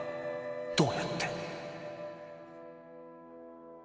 どうやって？